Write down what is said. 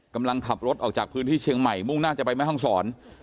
กำลังขับรถออกจากพื้นที่เชียงใหม่มุ่งหน้าจะไปแม่ห้องศร